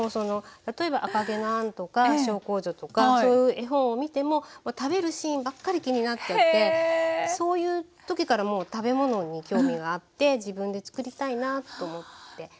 例えば「赤毛のアン」とか「小公女」とかそういう絵本を見ても食べるシーンばっかり気になっちゃってそういう時から食べ物に興味があって自分で作りたいなと思って。